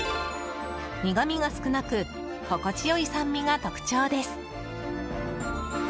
苦みが少なく心地良い酸味が特徴です。